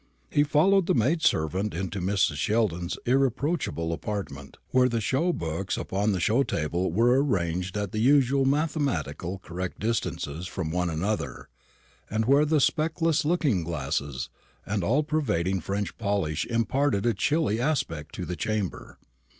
He followed the maid servant into Mrs. Sheldon's irreproachable apartment, where the show books upon the show table were ranged at the usual mathematically correct distances from one another, and where the speckless looking glasses and all pervading French polish imparted a chilly aspect to the chamber.